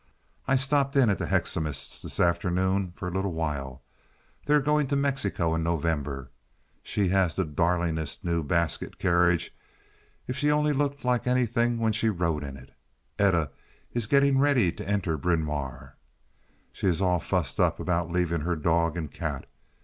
"I stopped in at the Hoecksemas' this afternoon for a little while. They're going to Mexico in November. She has the darlingest new basket carriage—if she only looked like anything when she rode in it. Etta is getting ready to enter Bryn Mawr. She is all fussed up about leaving her dog and cat.